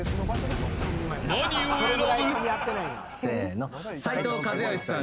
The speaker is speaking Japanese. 何を選ぶ。